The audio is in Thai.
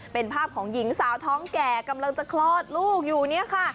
เป็นภาพของหญิงสาวท้องแก่กำลังจะคลอดลูกอยู่เนี่ยค่ะ